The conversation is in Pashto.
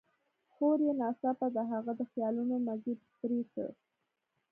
خور يې ناڅاپه د هغه د خيالونو مزی پرې کړ.